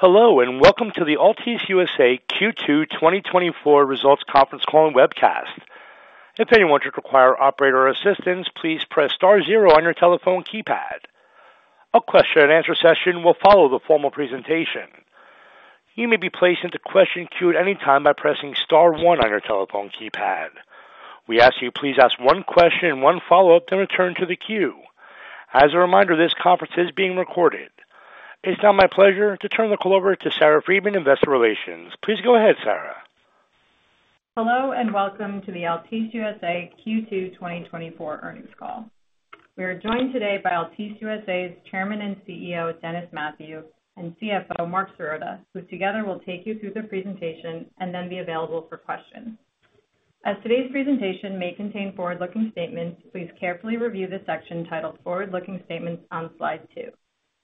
Hello, and welcome to the Altice USA Q2 2024 Results Conference Call and Webcast. If anyone should require operator assistance, please press star zero on your telephone keypad. A question-and-answer session will follow the formal presentation. You may be placed into question queue at any time by pressing star one on your telephone keypad. We ask that you please ask one question, one follow-up, then return to the queue. As a reminder, this conference is being recorded. It's now my pleasure to turn the call over to Sarah Freedman, Investor Relations. Please go ahead, Sarah. Hello, and welcome to the Altice USA Q2 2024 Earnings Call. We are joined today by Altice USA's Chairman and CEO, Dennis Mathew, and CFO, Marc Sirota, who together will take you through the presentation and then be available for questions. As today's presentation may contain forward-looking statements, please carefully review the section titled Forward-Looking Statements on slide 2.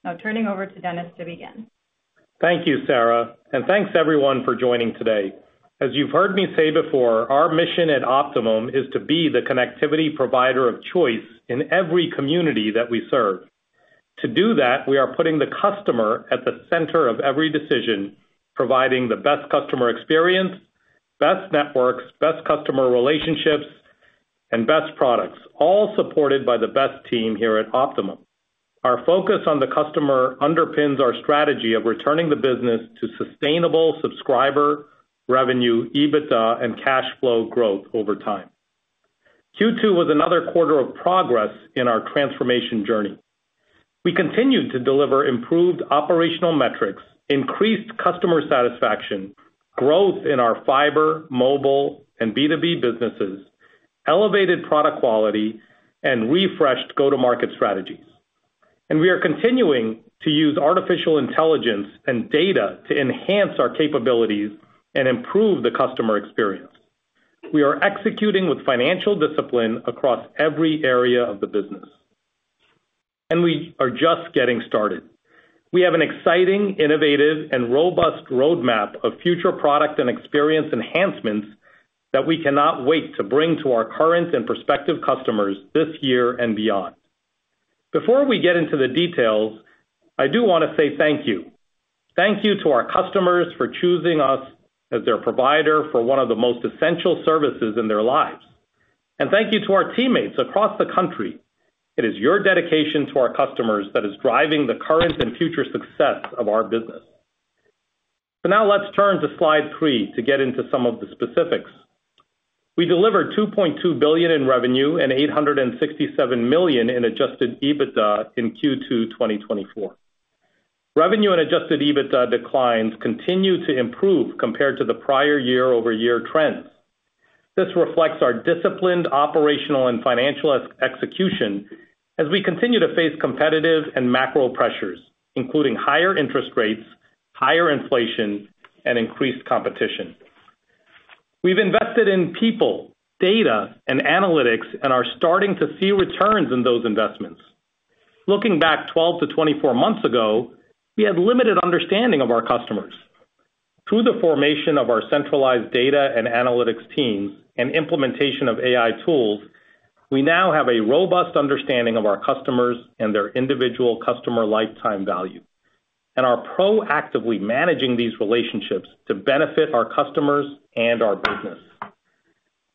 Now turning over to Dennis to begin. Thank you, Sarah, and thanks everyone for joining today. As you've heard me say before, our mission at Optimum is to be the connectivity provider of choice in every community that we serve. To do that, we are putting the customer at the center of every decision, providing the best customer experience, best networks, best customer relationships, and best products, all supported by the best team here at Optimum. Our focus on the customer underpins our strategy of returning the business to sustainable subscriber revenue, EBITDA, and cash flow growth over time. Q2 was another quarter of progress in our transformation journey. We continued to deliver improved operational metrics, increased customer satisfaction, growth in our fiber, mobile, and B2B businesses, elevated product quality, and refreshed go-to-market strategies. We are continuing to use artificial intelligence and data to enhance our capabilities and improve the customer experience. We are executing with financial discipline across every area of the business. And we are just getting started. We have an exciting, innovative, and robust roadmap of future product and experience enhancements that we cannot wait to bring to our current and prospective customers this year and beyond. Before we get into the details, I do want to say thank you. Thank you to our customers for choosing us as their provider for one of the most essential services in their lives. And thank you to our teammates across the country. It is your dedication to our customers that is driving the current and future success of our business. But now let's turn to slide three to get into some of the specifics. We delivered $2.2 billion in revenue and $867 million in adjusted EBITDA in Q2 2024. Revenue and adjusted EBITDA declines continue to improve compared to the prior year-over-year trends. This reflects our disciplined, operational, and financial execution as we continue to face competitive and macro pressures, including higher interest rates, higher inflation, and increased competition. We've invested in people, data, and analytics, and are starting to see returns in those investments. Looking back 12-24 months ago, we had limited understanding of our customers. Through the formation of our centralized data and analytics teams and implementation of AI tools, we now have a robust understanding of our customers and their individual customer lifetime value, and are proactively managing these relationships to benefit our customers and our business.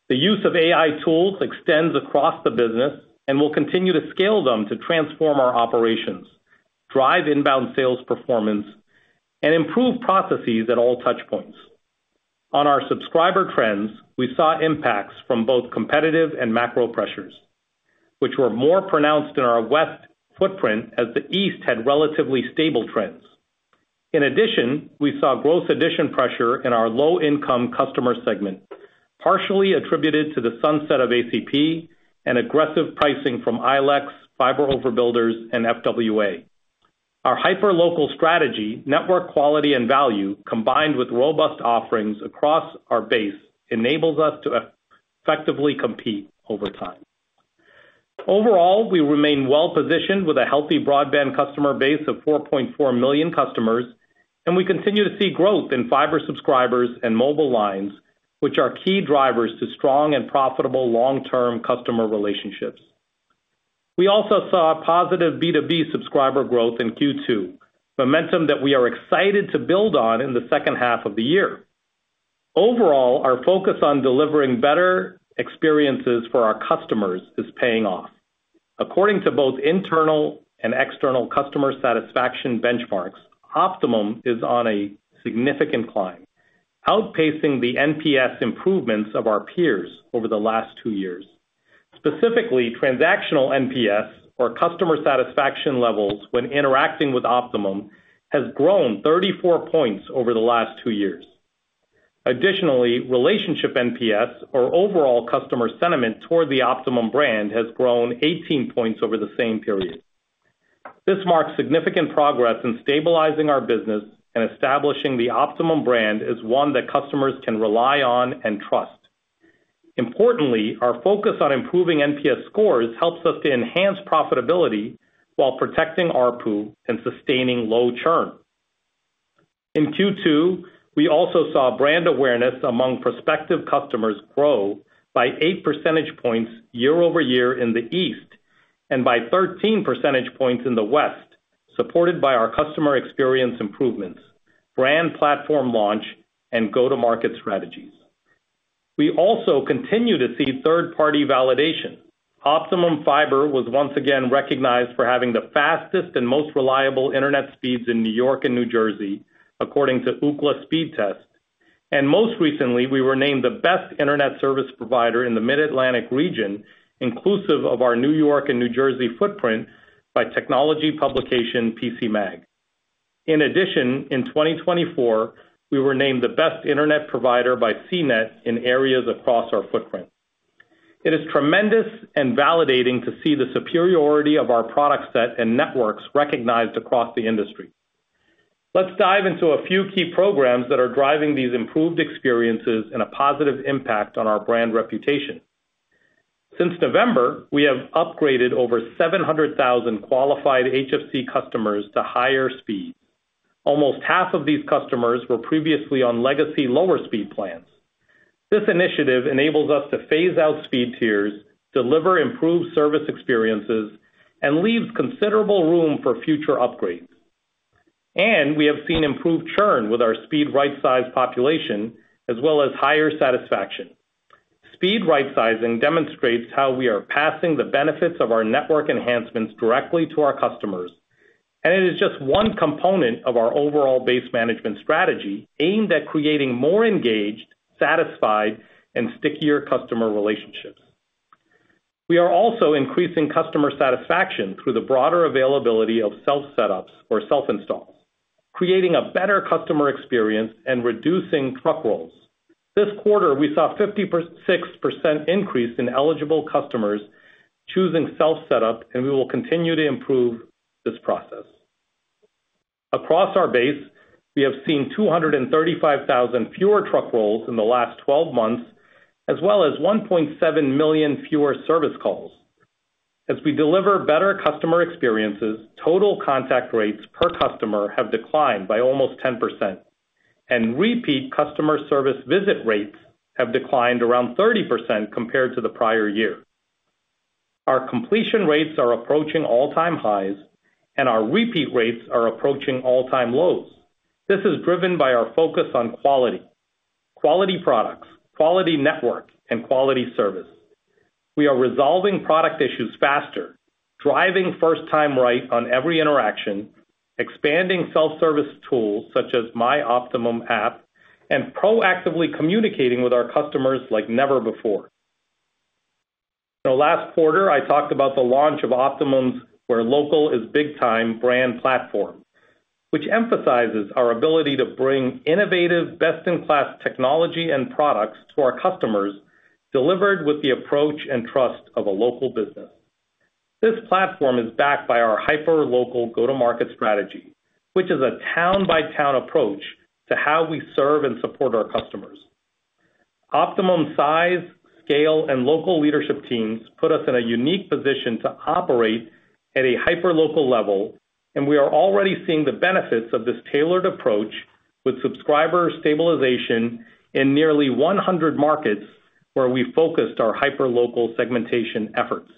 The use of AI tools extends across the business and will continue to scale them to transform our operations, drive inbound sales performance, and improve processes at all touch points. On our subscriber trends, we saw impacts from both competitive and macro pressures, which were more pronounced in our West footprint as the East had relatively stable trends. In addition, we saw gross addition pressure in our low-income customer segment, partially attributed to the sunset of ACP and aggressive pricing from ILECs, fiber overbuilders, and FWA. Our hyper-local strategy, network quality and value, combined with robust offerings across our base, enables us to effectively compete over time. Overall, we remain well-positioned with a healthy broadband customer base of 4.4 million customers, and we continue to see growth in fiber subscribers and mobile lines, which are key drivers to strong and profitable long-term customer relationships. We also saw positive B2B subscriber growth in Q2, momentum that we are excited to build on in the second half of the year. Overall, our focus on delivering better experiences for our customers is paying off. According to both internal and external customer satisfaction benchmarks, Optimum is on a significant climb, outpacing the NPS improvements of our peers over the last two years. Specifically, transactional NPS, or customer satisfaction levels when interacting with Optimum, has grown 34 points over the last two years. Additionally, relationship NPS, or overall customer sentiment toward the Optimum brand, has grown 18 points over the same period. This marks significant progress in stabilizing our business and establishing the Optimum brand as one that customers can rely on and trust. Importantly, our focus on improving NPS scores helps us to enhance profitability while protecting ARPU and sustaining low churn. In Q2, we also saw brand awareness among prospective customers grow by 8 percentage points year-over-year in the East and by 13 percentage points in the West, supported by our customer experience improvements, brand platform launch, and go-to-market strategies. We also continue to see third-party validation. Optimum Fiber was once again recognized for having the fastest and most reliable internet speeds in New York and New Jersey, according to Ookla Speedtest. Most recently, we were named the best internet service provider in the Mid-Atlantic region, inclusive of our New York and New Jersey footprint by technology publication PCMag. In addition, in 2024, we were named the best internet provider by CNET in areas across our footprint. It is tremendous and validating to see the superiority of our product set and networks recognized across the industry. Let's dive into a few key programs that are driving these improved experiences and a positive impact on our brand reputation. Since November, we have upgraded over 700,000 qualified HFC customers to higher speeds. Almost half of these customers were previously on legacy lower speed plans. This initiative enables us to phase out speed tiers, deliver improved service experiences, and leaves considerable room for future upgrades. We have seen improved churn with our speed right-sized population, as well as higher satisfaction. Speed right-sizing demonstrates how we are passing the benefits of our network enhancements directly to our customers, and it is just one component of our overall base management strategy aimed at creating more engaged, satisfied, and stickier customer relationships. We are also increasing customer satisfaction through the broader availability of self-setups or self-installs, creating a better customer experience and reducing truck rolls. This quarter, we saw a 56% increase in eligible customers choosing self-setup, and we will continue to improve this process. Across our base, we have seen 235,000 fewer truck rolls in the last 12 months, as well as 1.7 million fewer service calls. As we deliver better customer experiences, total contact rates per customer have declined by almost 10%, and repeat customer service visit rates have declined around 30% compared to the prior year. Our completion rates are approaching all-time highs, and our repeat rates are approaching all-time lows. This is driven by our focus on quality: quality products, quality network, and quality service. We are resolving product issues faster, driving first-time right on every interaction, expanding self-service tools such as My Optimum app, and proactively communicating with our customers like never before. In our last quarter, I talked about the launch of Optimum's "Where Local Is Big Time" brand platform, which emphasizes our ability to bring innovative, best-in-class technology and products to our customers, delivered with the approach and trust of a local business. This platform is backed by our hyper-local go-to-market strategy, which is a town-by-town approach to how we serve and support our customers. Optimum's size, scale, and local leadership teams put us in a unique position to operate at a hyper-local level, and we are already seeing the benefits of this tailored approach with subscriber stabilization in nearly 100 markets where we focused our hyper-local segmentation efforts.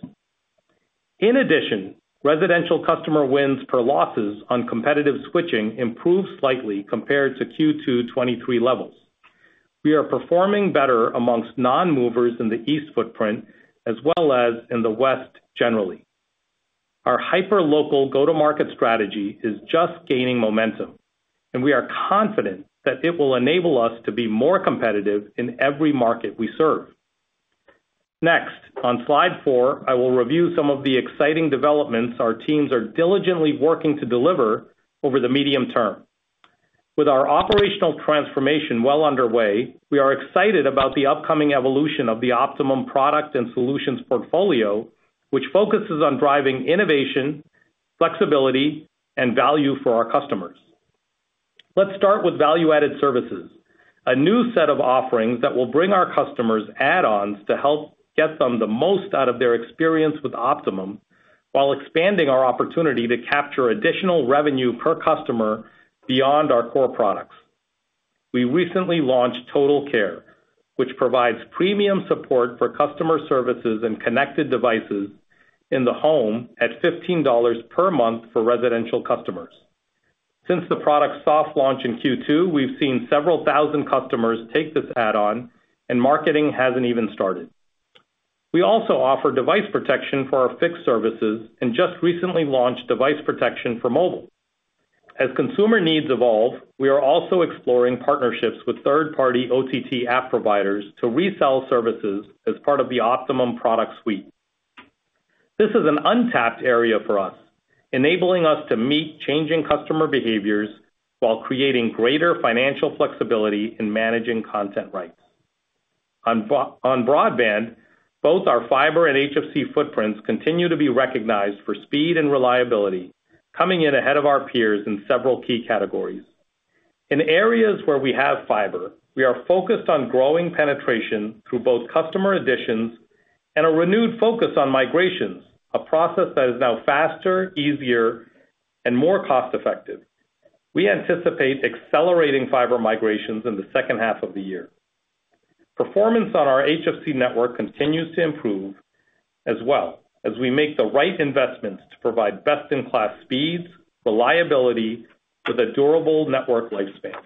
In addition, residential customer wins per losses on competitive switching improved slightly compared to Q2 2023 levels. We are performing better amongst non-movers in the East footprint, as well as in the West generally. Our hyper-local go-to-market strategy is just gaining momentum, and we are confident that it will enable us to be more competitive in every market we serve. Next, on slide 4, I will review some of the exciting developments our teams are diligently working to deliver over the medium term. With our operational transformation well underway, we are excited about the upcoming evolution of the Optimum product and solutions portfolio, which focuses on driving innovation, flexibility, and value for our customers. Let's start with value-added services, a new set of offerings that will bring our customers add-ons to help get them the most out of their experience with Optimum while expanding our opportunity to capture additional revenue per customer beyond our core products. We recently launched Total Care, which provides premium support for customer services and connected devices in the home at $15 per month for residential customers. Since the product's soft launch in Q2, we've seen several thousand customers take this add-on, and marketing hasn't even started. We also offer device protection for our fixed services and just recently launched device protection for mobile. As consumer needs evolve, we are also exploring partnerships with third-party OTT app providers to resell services as part of the Optimum product suite. This is an untapped area for us, enabling us to meet changing customer behaviors while creating greater financial flexibility in managing content rights. On broadband, both our fiber and HFC footprints continue to be recognized for speed and reliability, coming in ahead of our peers in several key categories. In areas where we have fiber, we are focused on growing penetration through both customer additions and a renewed focus on migrations, a process that is now faster, easier, and more cost-effective. We anticipate accelerating fiber migrations in the second half of the year. Performance on our HFC network continues to improve as well as we make the right investments to provide best-in-class speeds, reliability, with a durable network lifespan.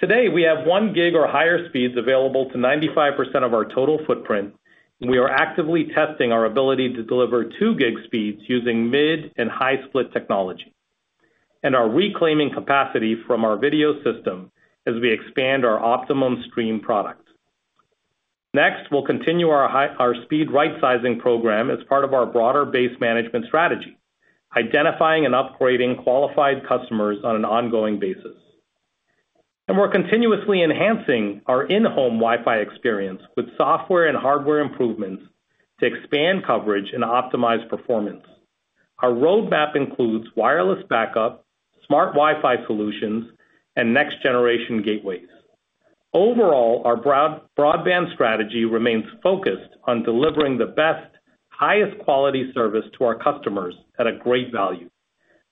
Today, we have 1 gig or higher speeds available to 95% of our total footprint, and we are actively testing our ability to deliver 2 gig speeds using mid and high-split technology and our reclaiming capacity from our video system as we expand our Optimum Stream product. Next, we'll continue our speed right-sizing program as part of our broader base management strategy, identifying and upgrading qualified customers on an ongoing basis. We're continuously enhancing our in-home Wi-Fi experience with software and hardware improvements to expand coverage and optimize performance. Our roadmap includes wireless backup, smart Wi-Fi solutions, and next-generation gateways. Overall, our broadband strategy remains focused on delivering the best, highest-quality service to our customers at a great value.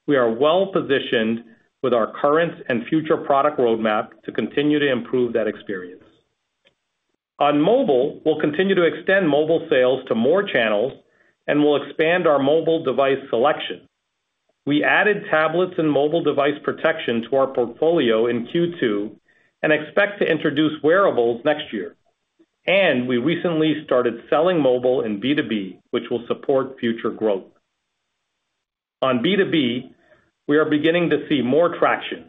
We are well-positioned with our current and future product roadmap to continue to improve that experience. On mobile, we'll continue to extend mobile sales to more channels and will expand our mobile device selection. We added tablets and mobile device protection to our portfolio in Q2 and expect to introduce wearables next year. And we recently started selling mobile and B2B, which will support future growth. On B2B, we are beginning to see more traction,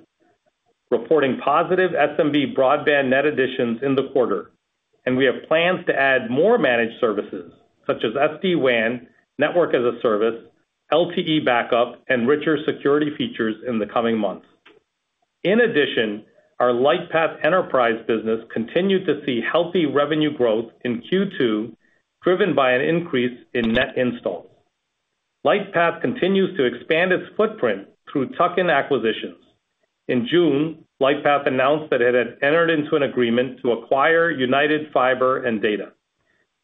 reporting positive SMB broadband net additions in the quarter, and we have plans to add more managed services such as SD-WAN, network as a service, LTE backup, and richer security features in the coming months. In addition, our Lightpath Enterprise business continued to see healthy revenue growth in Q2, driven by an increase in net installs. Lightpath continues to expand its footprint through tuck-in acquisitions. In June, Lightpath announced that it had entered into an agreement to acquire United Fiber & Data.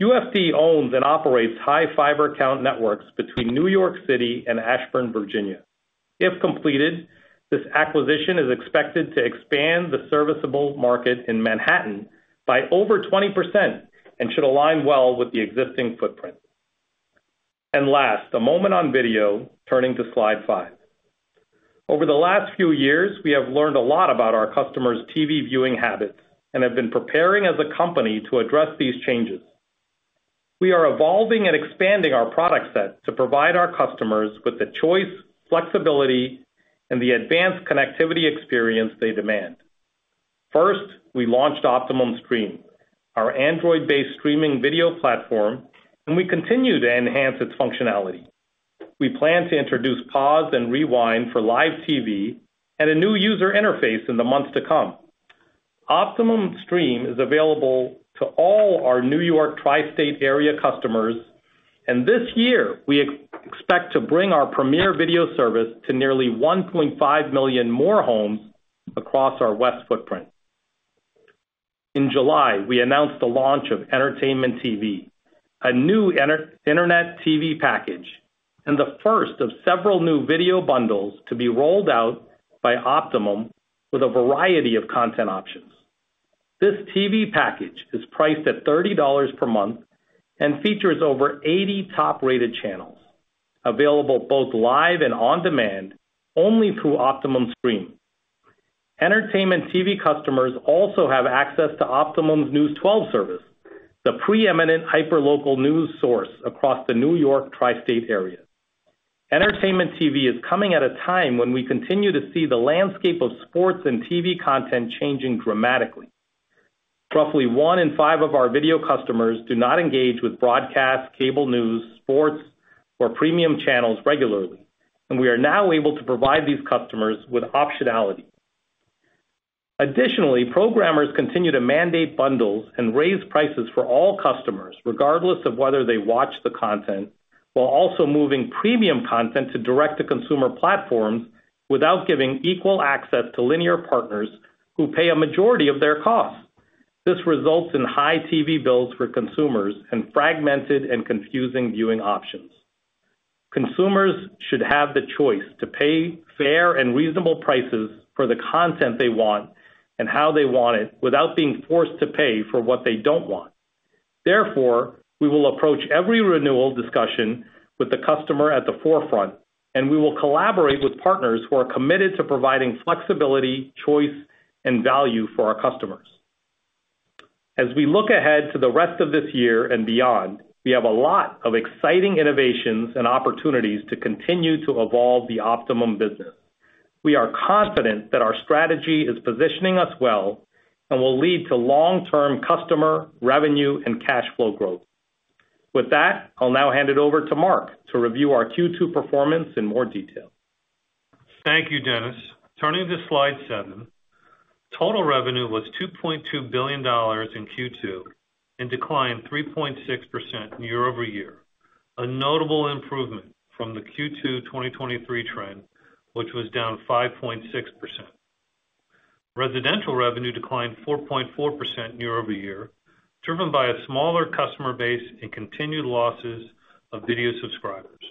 UFD owns and operates high fiber count networks between New York City and Ashburn, Virginia. If completed, this acquisition is expected to expand the serviceable market in Manhattan by over 20% and should align well with the existing footprint. Last, a moment on video, turning to slide 5. Over the last few years, we have learned a lot about our customers' TV viewing habits and have been preparing as a company to address these changes. We are evolving and expanding our product set to provide our customers with the choice, flexibility, and the advanced connectivity experience they demand. First, we launched Optimum Stream, our Android-based streaming video platform, and we continue to enhance its functionality. We plan to introduce pause and rewind for live TV and a new user interface in the months to come. Optimum Stream is available to all our New York Tri-State Area customers, and this year, we expect to bring our premier video service to nearly 1.5 million more homes across our West footprint. In July, we announced the launch of Entertainment TV, a new internet TV package, and the first of several new video bundles to be rolled out by Optimum with a variety of content options. This TV package is priced at $30 per month and features over 80 top-rated channels, available both live and on demand only through Optimum Stream. Entertainment TV customers also have access to Optimum's News 12 service, the preeminent hyper-local news source across the New York Tri-State Area. Entertainment TV is coming at a time when we continue to see the landscape of sports and TV content changing dramatically. Roughly one in five of our video customers do not engage with broadcast, cable news, sports, or premium channels regularly, and we are now able to provide these customers with optionality. Additionally, programmers continue to mandate bundles and raise prices for all customers, regardless of whether they watch the content, while also moving premium content to direct-to-consumer platforms without giving equal access to linear partners who pay a majority of their costs. This results in high TV bills for consumers and fragmented and confusing viewing options. Consumers should have the choice to pay fair and reasonable prices for the content they want and how they want it without being forced to pay for what they don't want. Therefore, we will approach every renewal discussion with the customer at the forefront, and we will collaborate with partners who are committed to providing flexibility, choice, and value for our customers. As we look ahead to the rest of this year and beyond, we have a lot of exciting innovations and opportunities to continue to evolve the Optimum business. We are confident that our strategy is positioning us well and will lead to long-term customer revenue and cash flow growth. With that, I'll now hand it over to Marc to review our Q2 performance in more detail. Thank you, Dennis. Turning to slide seven, total revenue was $2.2 billion in Q2 and declined 3.6% year-over-year, a notable improvement from the Q2 2023 trend, which was down 5.6%. Residential revenue declined 4.4% year-over-year, driven by a smaller customer base and continued losses of video subscribers.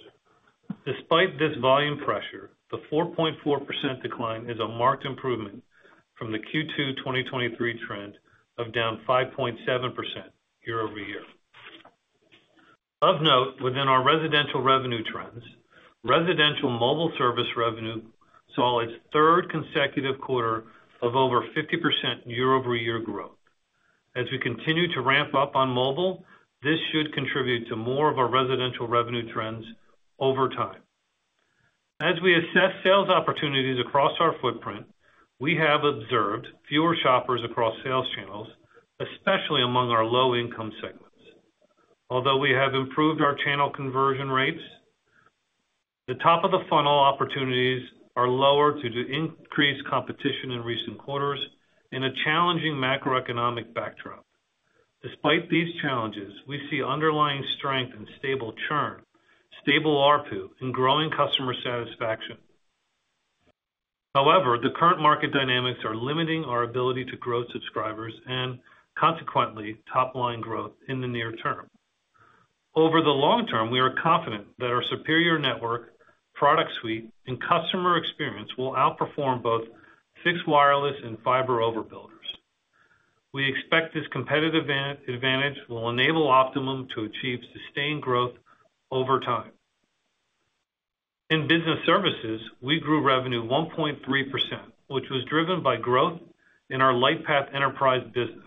Despite this volume pressure, the 4.4% decline is a marked improvement from the Q2 2023 trend of down 5.7% year-over-year. Of note, within our residential revenue trends, residential mobile service revenue saw its third consecutive quarter of over 50% year-over-year growth. As we continue to ramp up on mobile, this should contribute to more of our residential revenue trends over time. As we assess sales opportunities across our footprint, we have observed fewer shoppers across sales channels, especially among our low-income segments. Although we have improved our channel conversion rates, the top-of-the-funnel opportunities are lower due to increased competition in recent quarters and a challenging macroeconomic backdrop. Despite these challenges, we see underlying strength and stable churn, stable ARPU, and growing customer satisfaction. However, the current market dynamics are limiting our ability to grow subscribers and, consequently, top-line growth in the near term. Over the long term, we are confident that our superior network, product suite, and customer experience will outperform both fixed wireless and fiber overbuilders. We expect this competitive advantage will enable Optimum to achieve sustained growth over time. In business services, we grew revenue 1.3%, which was driven by growth in our Lightpath Enterprise business,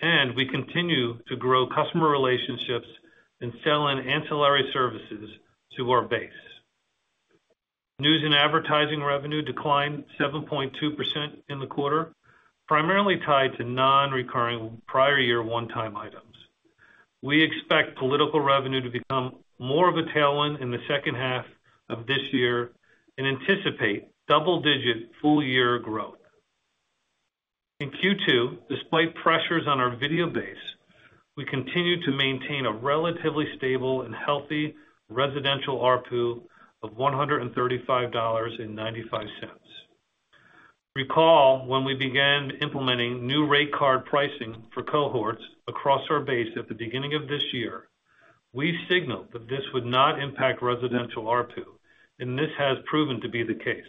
and we continue to grow customer relationships and sell ancillary services to our base. News and advertising revenue declined 7.2% in the quarter, primarily tied to non-recurring prior year one-time items. We expect political revenue to become more of a tailwind in the second half of this year and anticipate double-digit full-year growth. In Q2, despite pressures on our video base, we continue to maintain a relatively stable and healthy residential ARPU of $135.95. Recall when we began implementing new rate card pricing for cohorts across our base at the beginning of this year. We signaled that this would not impact residential ARPU, and this has proven to be the case.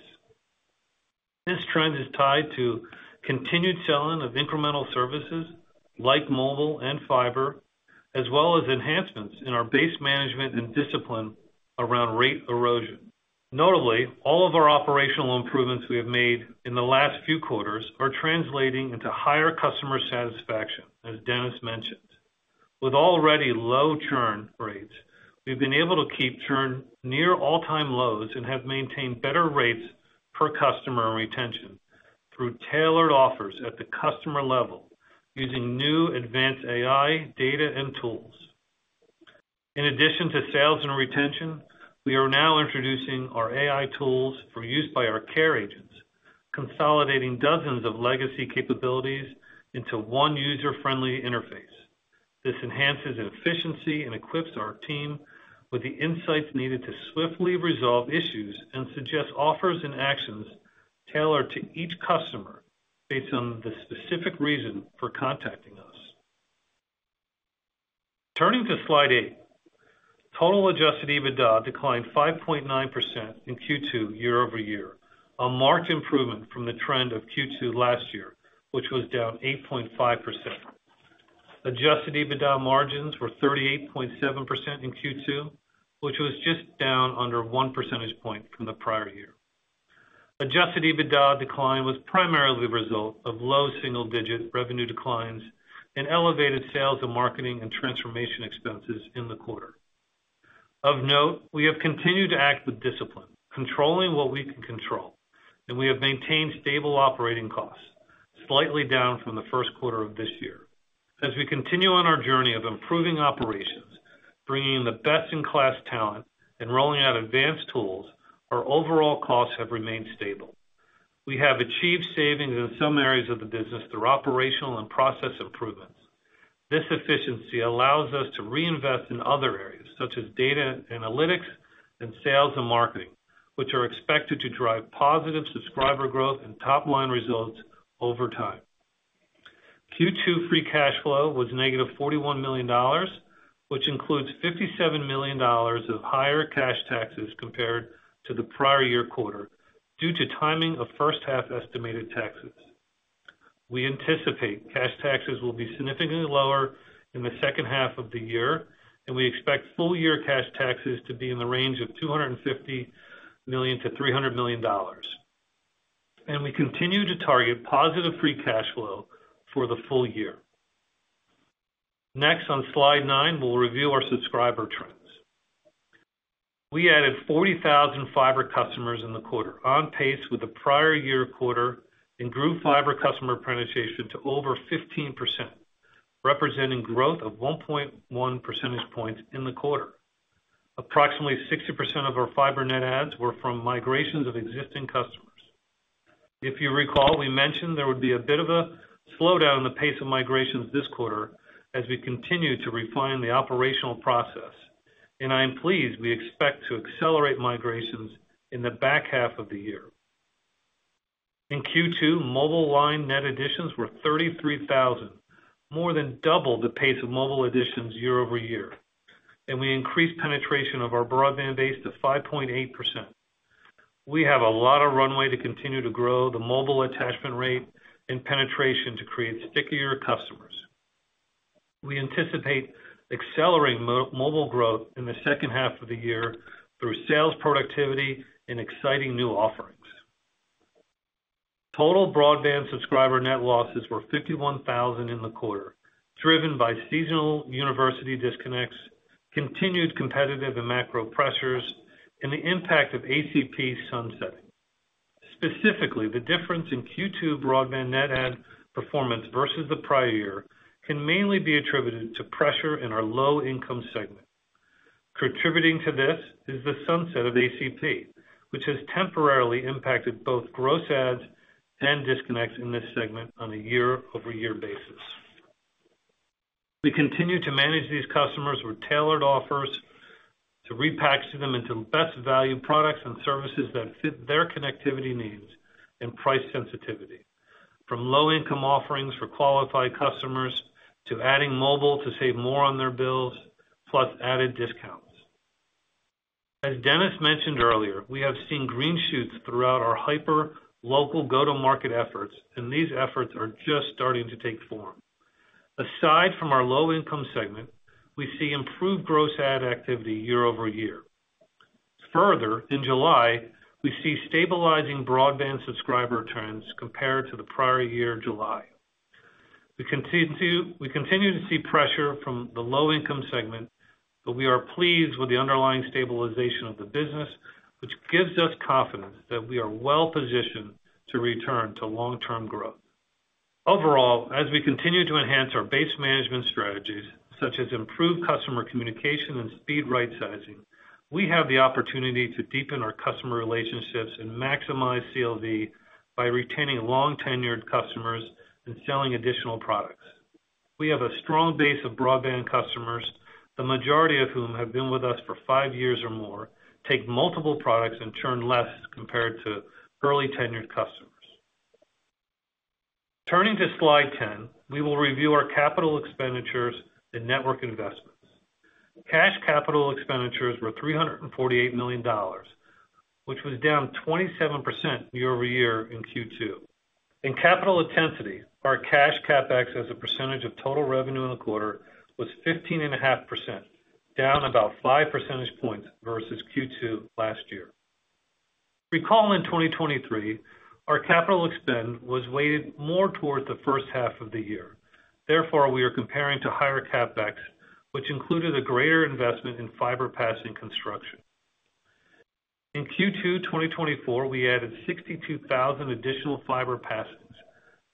This trend is tied to continued selling of incremental services like mobile and fiber, as well as enhancements in our base management and discipline around rate erosion. Notably, all of our operational improvements we have made in the last few quarters are translating into higher customer satisfaction, as Dennis mentioned. With already low churn rates, we've been able to keep churn near all-time lows and have maintained better rates per customer retention through tailored offers at the customer level using new advanced AI data and tools. In addition to sales and retention, we are now introducing our AI tools for use by our care agents, consolidating dozens of legacy capabilities into one user-friendly interface. This enhances efficiency and equips our team with the insights needed to swiftly resolve issues and suggest offers and actions tailored to each customer based on the specific reason for contacting us. Turning to slide 8, total adjusted EBITDA declined 5.9% in Q2 year-over-year, a marked improvement from the trend of Q2 last year, which was down 8.5%. Adjusted EBITDA margins were 38.7% in Q2, which was just down under 1 percentage point from the prior year. Adjusted EBITDA decline was primarily the result of low single-digit revenue declines and elevated sales and marketing and transformation expenses in the quarter. Of note, we have continued to act with discipline, controlling what we can control, and we have maintained stable operating costs, slightly down from the first quarter of this year. As we continue on our journey of improving operations, bringing the best-in-class talent, and rolling out advanced tools, our overall costs have remained stable. We have achieved savings in some areas of the business through operational and process improvements. This efficiency allows us to reinvest in other areas, such as data analytics and sales and marketing, which are expected to drive positive subscriber growth and top-line results over time. Q2 free cash flow was -$41 million, which includes $57 million of higher cash taxes compared to the prior year quarter due to timing of first-half estimated taxes. We anticipate cash taxes will be significantly lower in the second half of the year, and we expect full-year cash taxes to be in the range of $250 million-$300 million. We continue to target positive free cash flow for the full year. Next, on slide nine, we'll review our subscriber trends. We added 40,000 fiber customers in the quarter, on pace with the prior year quarter, and grew fiber customer penetration to over 15%, representing growth of 1.1 percentage points in the quarter. Approximately 60% of our fiber net adds were from migrations of existing customers. If you recall, we mentioned there would be a bit of a slowdown in the pace of migrations this quarter as we continue to refine the operational process, and I'm pleased we expect to accelerate migrations in the back half of the year. In Q2, mobile line net additions were 33,000, more than double the pace of mobile additions year-over-year, and we increased penetration of our broadband base to 5.8%. We have a lot of runway to continue to grow the mobile attachment rate and penetration to create stickier customers. We anticipate accelerating mobile growth in the second half of the year through sales productivity and exciting new offerings. Total broadband subscriber net losses were 51,000 in the quarter, driven by seasonal university disconnects, continued competitive and macro pressures, and the impact of ACP sunsetting. Specifically, the difference in Q2 broadband net add performance versus the prior year can mainly be attributed to pressure in our low-income segment. Contributing to this is the sunset of ACP, which has temporarily impacted both gross adds and disconnects in this segment on a year-over-year basis. We continue to manage these customers with tailored offers to repackage them into best-value products and services that fit their connectivity needs and price sensitivity, from low-income offerings for qualified customers to adding mobile to save more on their bills, plus added discounts. As Dennis mentioned earlier, we have seen green shoots throughout our hyper-local go-to-market efforts, and these efforts are just starting to take form. Aside from our low-income segment, we see improved gross add activity year-over-year. Further, in July, we see stabilizing broadband subscriber trends compared to the prior-year July. We continue to see pressure from the low-income segment, but we are pleased with the underlying stabilization of the business, which gives us confidence that we are well-positioned to return to long-term growth. Overall, as we continue to enhance our base management strategies, such as improved customer communication and speed right-sizing, we have the opportunity to deepen our customer relationships and maximize CLV by retaining long-tenured customers and selling additional products. We have a strong base of broadband customers, the majority of whom have been with us for 5 years or more, take multiple products, and churn less compared to early-tenured customers. Turning to slide 10, we will review our capital expenditures and network investments. Cash capital expenditures were $348 million, which was down 27% year-over-year in Q2. In capital intensity, our cash CapEx as a percentage of total revenue in the quarter was 15.5%, down about 5 percentage points versus Q2 last year. Recall in 2023, our capital expenditure was weighted more towards the first half of the year. Therefore, we are comparing to higher CapEx, which included a greater investment in fiber passing construction. In Q2 2024, we added 62,000 additional fiber passings,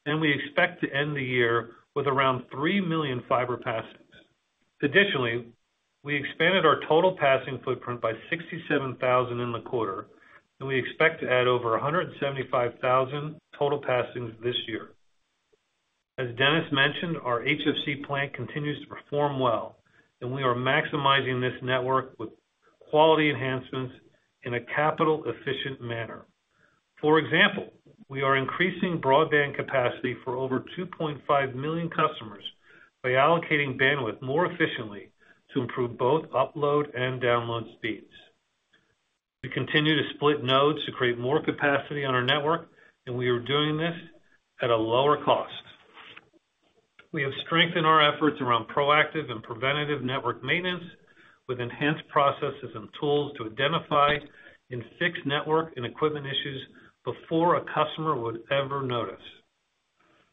and we expect to end the year with around 3 million fiber passings. Additionally, we expanded our total passing footprint by 67,000 in the quarter, and we expect to add over 175,000 total passings this year. As Dennis mentioned, our HFC plant continues to perform well, and we are maximizing this network with quality enhancements in a capital-efficient manner. For example, we are increasing broadband capacity for over 2.5 million customers by allocating bandwidth more efficiently to improve both upload and download speeds. We continue to split nodes to create more capacity on our network, and we are doing this at a lower cost. We have strengthened our efforts around proactive and preventative network maintenance with enhanced processes and tools to identify and fix network and equipment issues before a customer would ever notice.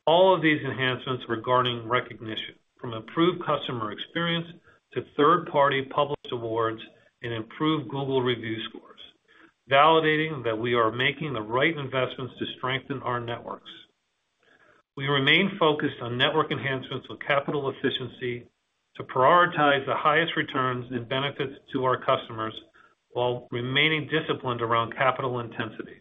All of these enhancements regarding recognition, from improved customer experience to third-party published awards and improved Google review scores, validating that we are making the right investments to strengthen our networks. We remain focused on network enhancements with capital efficiency to prioritize the highest returns and benefits to our customers while remaining disciplined around capital intensity.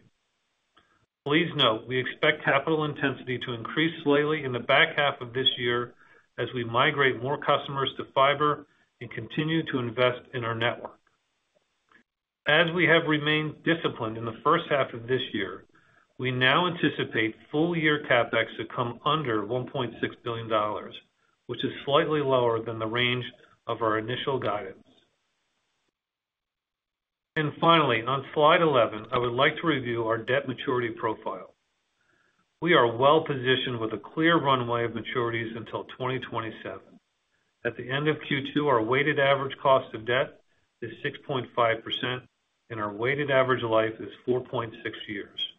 Please note, we expect capital intensity to increase slightly in the back half of this year as we migrate more customers to fiber and continue to invest in our network. As we have remained disciplined in the first half of this year, we now anticipate full-year CapEx to come under $1.6 billion, which is slightly lower than the range of our initial guidance. And finally, on slide 11, I would like to review our debt maturity profile. We are well-positioned with a clear runway of maturities until 2027. At the end of Q2, our weighted average cost of debt is 6.5%, and our weighted average life is 4.6 years.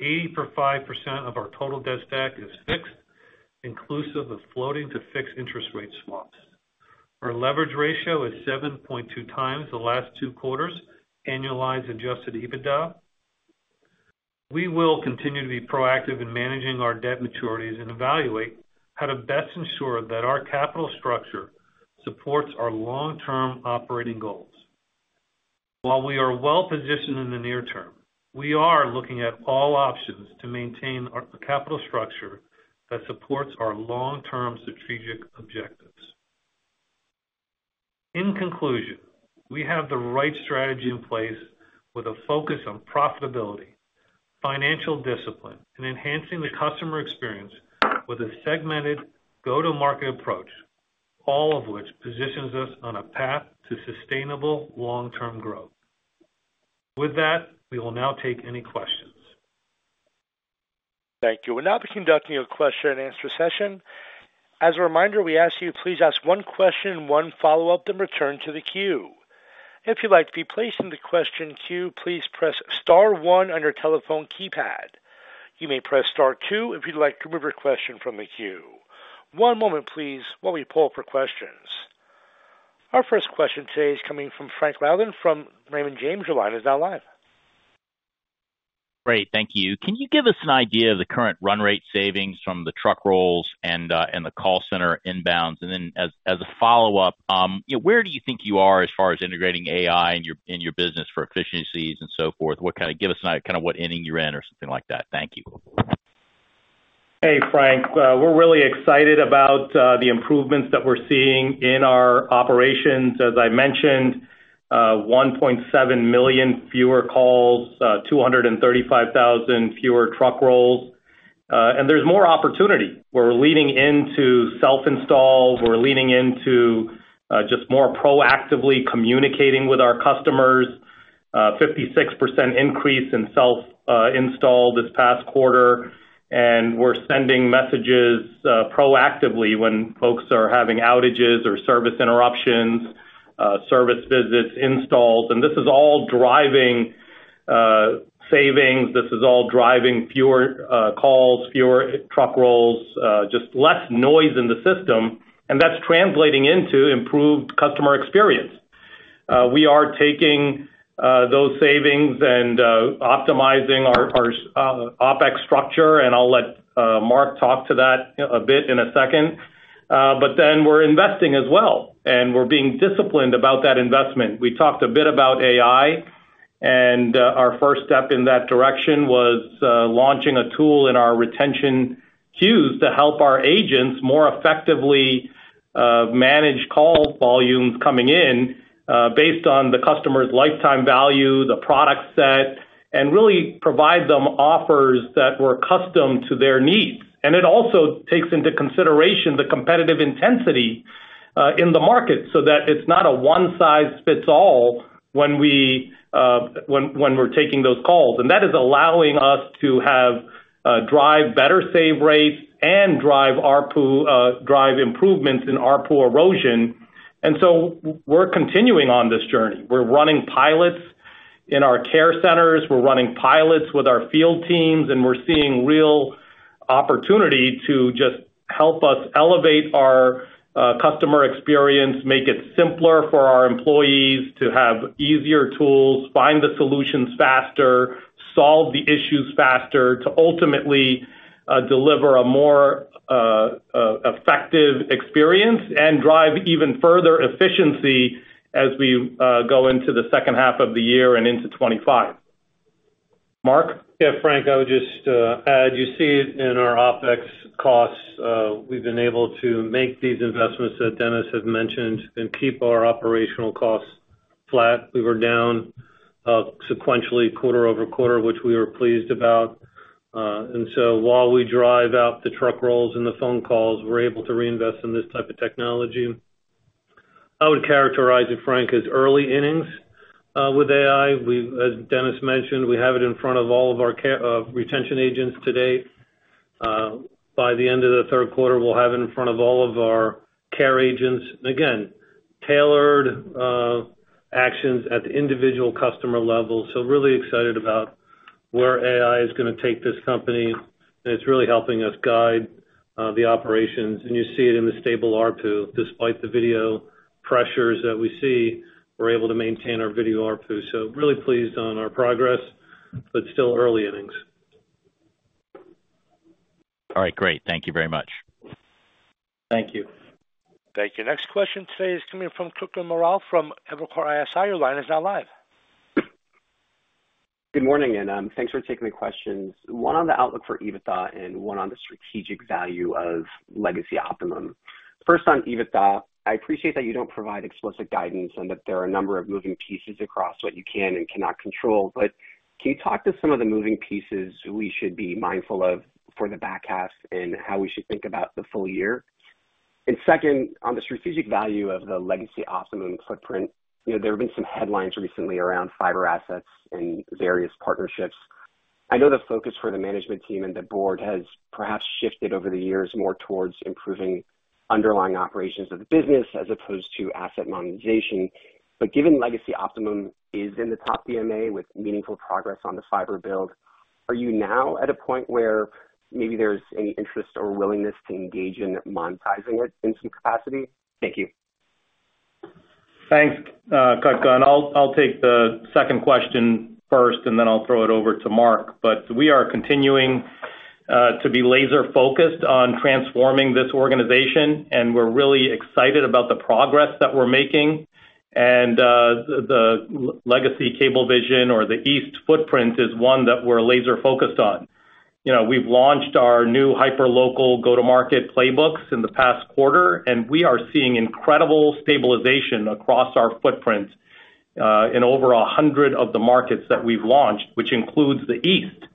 85% of our total debt stack is fixed, inclusive of floating to fixed interest rate swaps. Our leverage ratio is 7.2x the last two quarters annualized adjusted EBITDA. We will continue to be proactive in managing our debt maturities and evaluate how to best ensure that our capital structure supports our long-term operating goals. While we are well-positioned in the near term, we are looking at all options to maintain a capital structure that supports our long-term strategic objectives. In conclusion, we have the right strategy in place with a focus on profitability, financial discipline, and enhancing the customer experience with a segmented go-to-market approach, all of which positions us on a path to sustainable long-term growth. With that, we will now take any questions. Thank you. We'll now be conducting a question-and-answer session. As a reminder, we ask you to please ask one question, one follow-up, then return to the queue. If you'd like to be placed in the question queue, please press star one on your telephone keypad. You may press star two if you'd like to remove your question from the queue. One moment, please, while we pull up our questions. Our first question today is coming from Frank Louthan from Raymond James, now live. Great. Thank you. Can you give us an idea of the current run rate savings from the truck rolls and the call center inbounds? And then as a follow-up, where do you think you are as far as integrating AI in your business for efficiencies and so forth? Give us an idea of kind of what inning you're in or something like that. Thank you. Hey, Frank. We're really excited about the improvements that we're seeing in our operations. As I mentioned, 1.7 million fewer calls, 235,000 fewer truck rolls. There's more opportunity. We're leaning into self-install. We're leaning into just more proactively communicating with our customers. 56% increase in self-install this past quarter. We're sending messages proactively when folks are having outages or service interruptions, service visits, installs. This is all driving savings. This is all driving fewer calls, fewer truck rolls, just less noise in the system. That's translating into improved customer experience. We are taking those savings and optimizing our OpEx structure. I'll let Marc talk to that a bit in a second. Then we're investing as well. We're being disciplined about that investment. We talked a bit about AI. Our first step in that direction was launching a tool in our retention queues to help our agents more effectively manage call volumes coming in based on the customer's lifetime value, the product set, and really provide them offers that were custom to their needs. It also takes into consideration the competitive intensity in the market so that it's not a one-size-fits-all when we're taking those calls. That is allowing us to drive better save rates and drive improvements in our churn erosion. So we're continuing on this journey. We're running pilots in our care centers. We're running pilots with our field teams. We're seeing real opportunity to just help us elevate our customer experience, make it simpler for our employees to have easier tools, find the solutions faster, solve the issues faster to ultimately deliver a more effective experience and drive even further efficiency as we go into the second half of the year and into 2025. Marc? Yeah, Frank, I would just add, you see it in our OpEx costs. We've been able to make these investments that Dennis had mentioned and keep our operational costs flat. We were down sequentially quarter-over-quarter, which we were pleased about. And so while we drive out the truck rolls and the phone calls, we're able to reinvest in this type of technology. I would characterize it, Frank, as early innings with AI. As Dennis mentioned, we have it in front of all of our retention agents today. By the end of the third quarter, we'll have it in front of all of our care agents. And again, tailored actions at the individual customer level. So really excited about where AI is going to take this company. And it's really helping us guide the operations. And you see it in the stable ARPU. Despite the video pressures that we see, we're able to maintain our video ARPU. So really pleased on our progress, but still early innings. All right. Great. Thank you very much. Thank you. Thank you. Next question today is coming from Kutgun Maral from Evercore ISI. Your line is now live. Good morning, and thanks for taking the questions. One on the outlook for EBITDA and one on the strategic value of legacy Optimum. First, on EBITDA, I appreciate that you don't provide explicit guidance and that there are a number of moving pieces across what you can and cannot control. But can you talk to some of the moving pieces we should be mindful of for the back half and how we should think about the full year? And second, on the strategic value of the legacy Optimum footprint, there have been some headlines recently around fiber assets and various partnerships. I know the focus for the management team and the board has perhaps shifted over the years more towards improving underlying operations of the business as opposed to asset monetization. But given legacy Optimum is in the top DMA with meaningful progress on the fiber build, are you now at a point where maybe there's any interest or willingness to engage in monetizing it in some capacity? Thank you. Thanks, Kut. I'll take the second question first, and then I'll throw it over to Marc. But we are continuing to be laser-focused on transforming this organization. And we're really excited about the progress that we're making. And the legacy Cablevision or the East footprint is one that we're laser-focused on. We've launched our new hyper-local go-to-market playbooks in the past quarter. And we are seeing incredible stabilization across our footprint in over 100 of the markets that we've launched, which includes the East.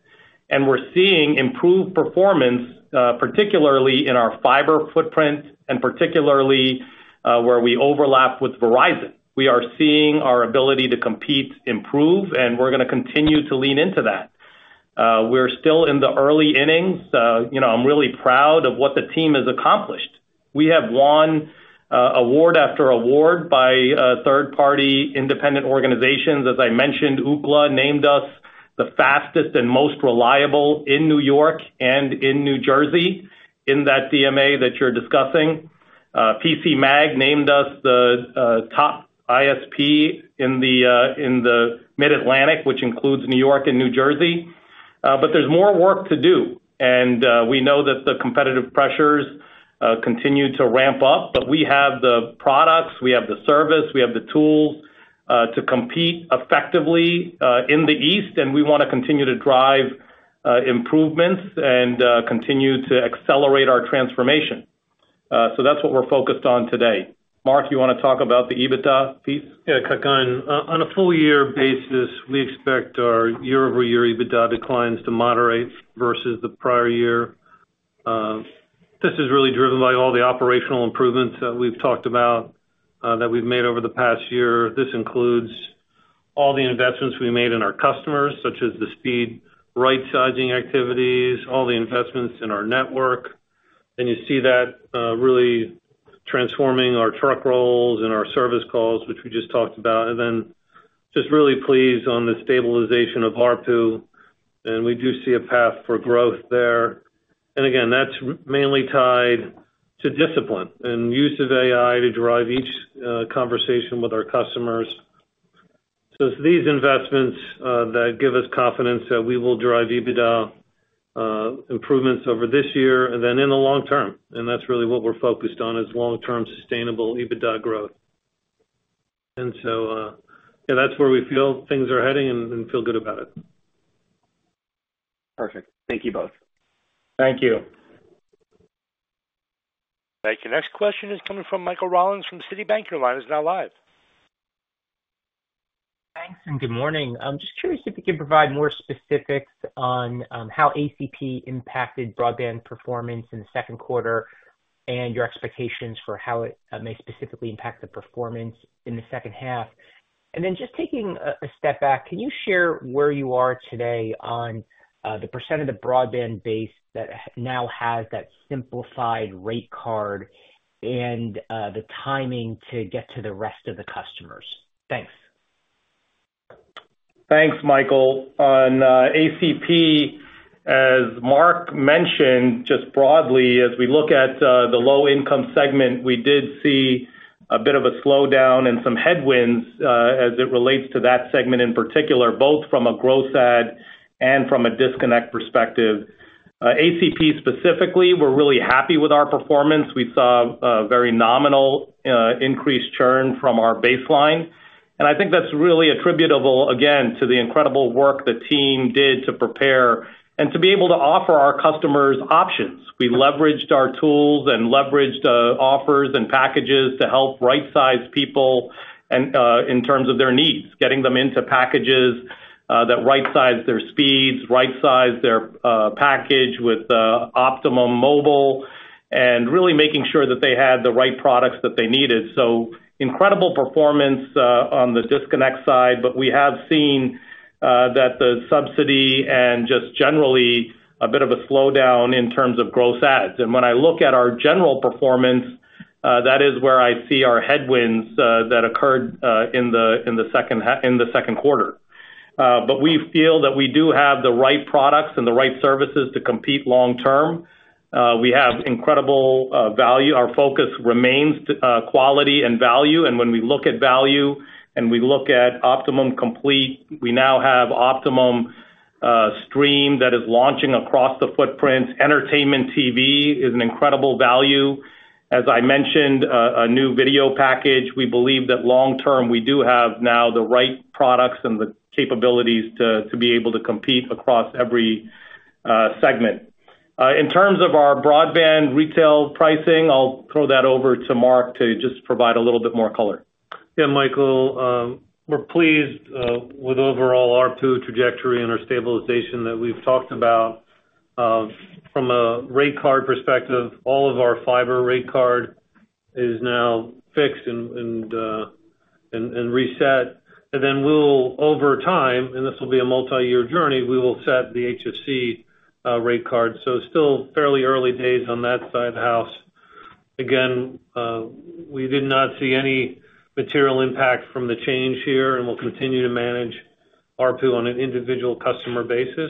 And we're seeing improved performance, particularly in our fiber footprint and particularly where we overlap with Verizon. We are seeing our ability to compete, improve, and we're going to continue to lean into that. We're still in the early innings. I'm really proud of what the team has accomplished. We have won award after award by third-party independent organizations. As I mentioned, Ookla named us the fastest and most reliable in New York and in New Jersey in that DMA that you're discussing. PCMag named us the top ISP in the Mid-Atlantic, which includes New York and New Jersey. There's more work to do. We know that the competitive pressures continue to ramp up. We have the products. We have the service. We have the tools to compete effectively in the East. We want to continue to drive improvements and continue to accelerate our transformation. That's what we're focused on today. Marc, you want to talk about the EBITDA piece? Yeah, Kut. On a full-year basis, we expect our year-over-year EBITDA declines to moderate versus the prior year. This is really driven by all the operational improvements that we've talked about that we've made over the past year. This includes all the investments we made in our customers, such as the speed right-sizing activities, all the investments in our network. You see that really transforming our truck rolls and our service calls, which we just talked about. Then just really pleased on the stabilization of ARPU. We do see a path for growth there. Again, that's mainly tied to discipline and use of AI to drive each conversation with our customers. So it's these investments that give us confidence that we will drive EBITDA improvements over this year and then in the long term. That's really what we're focused on is long-term sustainable EBITDA growth. So, yeah, that's where we feel things are heading and feel good about it. Perfect. Thank you both. Thank you. Thank you. Next question is coming from Michael Rollins from Citi. Your line is now live. Thanks and good morning. I'm just curious if you can provide more specifics on how ACP impacted broadband performance in the second quarter and your expectations for how it may specifically impact the performance in the second half. And then just taking a step back, can you share where you are today on the percent of the broadband base that now has that simplified rate card and the timing to get to the rest of the customers? Thanks. Thanks, Michael. On ACP, as Marc mentioned, just broadly, as we look at the low-income segment, we did see a bit of a slowdown and some headwinds as it relates to that segment in particular, both from a growth side and from a disconnect perspective. ACP specifically, we're really happy with our performance. We saw a very nominal increased churn from our baseline. And I think that's really attributable, again, to the incredible work the team did to prepare and to be able to offer our customers options. We leveraged our tools and leveraged offers and packages to help right-size people in terms of their needs, getting them into packages that right-size their speeds, right-size their package with Optimum Mobile, and really making sure that they had the right products that they needed. So incredible performance on the disconnect side. But we have seen that the subsidy and just generally a bit of a slowdown in terms of gross adds. And when I look at our general performance, that is where I see our headwinds that occurred in the second quarter. But we feel that we do have the right products and the right services to compete long-term. We have incredible value. Our focus remains quality and value. When we look at value and we look at Optimum Complete, we now have Optimum Stream that is launching across the footprints. Entertainment TV is an incredible value. As I mentioned, a new video package. We believe that long-term, we do have now the right products and the capabilities to be able to compete across every segment. In terms of our broadband retail pricing, I'll throw that over to Marc to just provide a little bit more color. Yeah, Michael, we're pleased with overall ARPU trajectory and our stabilization that we've talked about. From a rate card perspective, all of our fiber rate card is now fixed and reset. And then we'll, over time, and this will be a multi-year journey, we will set the HFC rate card. So still fairly early days on that side of the house. Again, we did not see any material impact from the change here. We'll continue to manage ARPU on an individual customer basis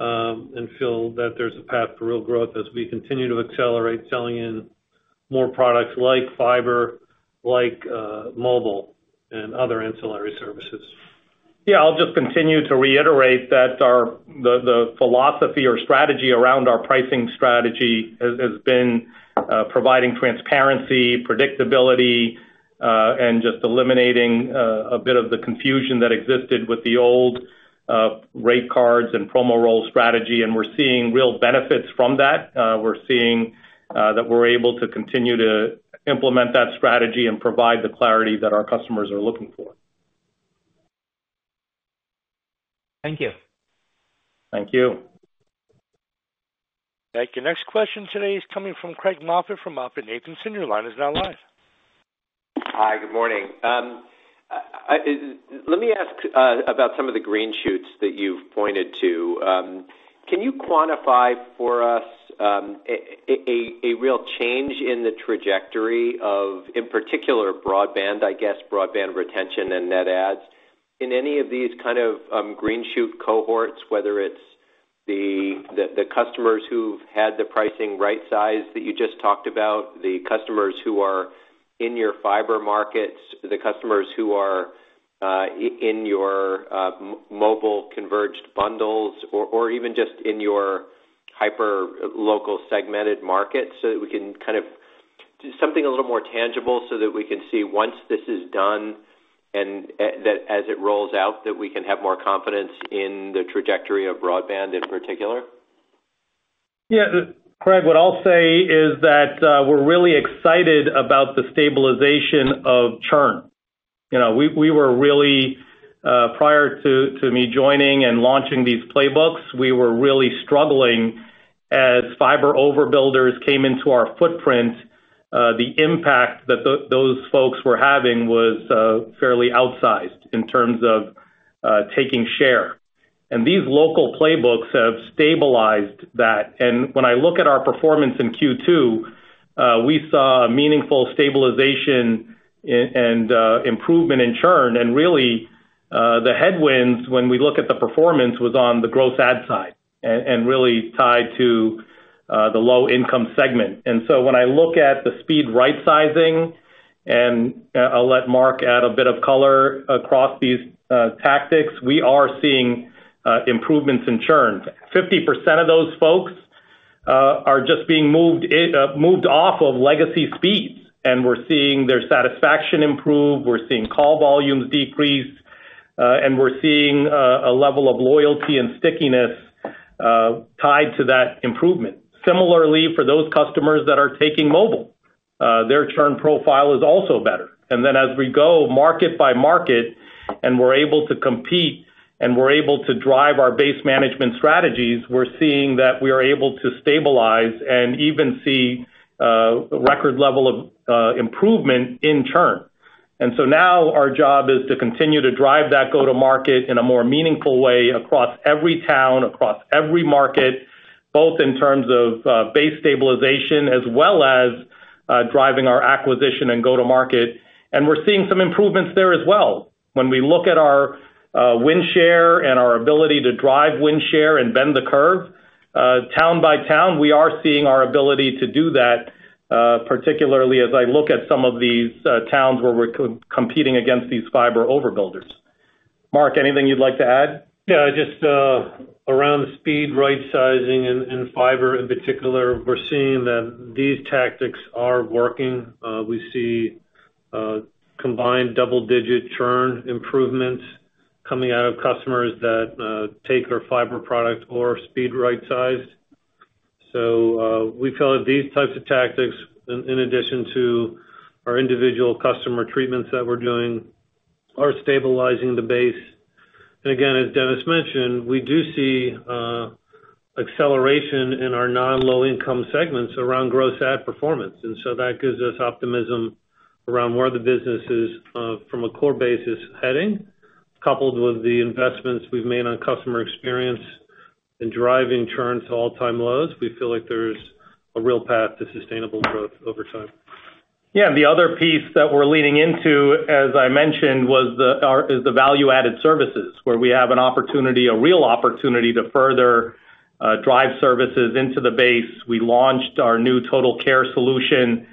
and feel that there's a path to real growth as we continue to accelerate selling in more products like fiber, like mobile, and other ancillary services. Yeah, I'll just continue to reiterate that the philosophy or strategy around our pricing strategy has been providing transparency, predictability, and just eliminating a bit of the confusion that existed with the old rate cards and promo roll strategy. We're seeing real benefits from that. We're seeing that we're able to continue to implement that strategy and provide the clarity that our customers are looking for. Thank you. Thank you. Thank you. Next question today is coming from Craig Moffett from MoffettNathanson. Your line is now live. Hi, good morning. Let me ask about some of the green shoots that you've pointed to. Can you quantify for us a real change in the trajectory of, in particular, broadband, I guess, broadband retention and net adds in any of these kind of green shoot cohorts, whether it's the customers who've had the pricing right-sized that you just talked about, the customers who are in your fiber markets, the customers who are in your mobile converged bundles, or even just in your hyper-local segmented markets so that we can kind of do something a little more tangible so that we can see once this is done and that as it rolls out, that we can have more confidence in the trajectory of broadband in particular? Yeah. Craig, what I'll say is that we're really excited about the stabilization of churn. We were really, prior to me joining and launching these playbooks, we were really struggling as fiber overbuilders came into our footprint. The impact that those folks were having was fairly outsized in terms of taking share. And these local playbooks have stabilized that. And when I look at our performance in Q2, we saw a meaningful stabilization and improvement in churn. And really, the headwinds, when we look at the performance, was on the gross ad side and really tied to the low-income segment. And so when I look at the speed right-sizing, and I'll let Marc add a bit of color across these tactics, we are seeing improvements in churn. 50% of those folks are just being moved off of legacy speeds. And we're seeing their satisfaction improve. We're seeing call volumes decrease. And we're seeing a level of loyalty and stickiness tied to that improvement. Similarly, for those customers that are taking mobile, their churn profile is also better. Then as we go market by market and we're able to compete and we're able to drive our base management strategies, we're seeing that we are able to stabilize and even see a record level of improvement in churn. So now our job is to continue to drive that go-to-market in a more meaningful way across every town, across every market, both in terms of base stabilization as well as driving our acquisition and go-to-market. And we're seeing some improvements there as well. When we look at our win share and our ability to drive win share and bend the curve, town by town, we are seeing our ability to do that, particularly as I look at some of these towns where we're competing against these fiber overbuilders. Marc, anything you'd like to add? Yeah, just around the speed right-sizing and fiber in particular, we're seeing that these tactics are working. We see combined double-digit churn improvements coming out of customers that take our fiber product or speed right-sized. So we feel that these types of tactics, in addition to our individual customer treatments that we're doing, are stabilizing the base. And again, as Dennis mentioned, we do see acceleration in our non-low-income segments around gross adds performance. And so that gives us optimism around where the business is from a core basis heading, coupled with the investments we've made on customer experience and driving churn to all-time lows. We feel like there's a real path to sustainable growth over time. Yeah. The other piece that we're leaning into, as I mentioned, was the value-added services, where we have an opportunity, a real opportunity to further drive services into the base. We launched our new Total Care solution.